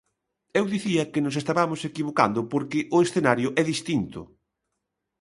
Eu dicía que nos estabamos equivocando porque o escenario é distinto.